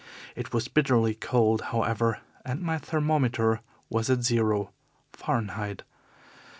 It was bitterly cold, however, and my thermometer was at zero, Fahrenheit.